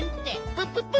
プププ。